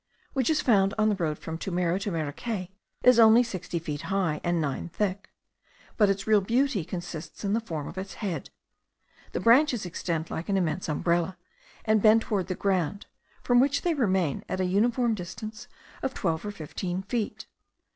which is found on the road from Turmero to Maracay, is only sixty feet high, and nine thick; but its real beauty consists in the form of its head. The branches extend like an immense umbrella, and bend toward the ground, from which they remain at a uniform distance of twelve or fifteen feet.